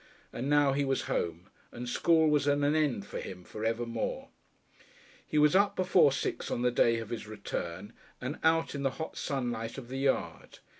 And now he was home, and school was at an end for him for evermore. He was up before six on the day of his return, and out in the hot sunlight of the yard.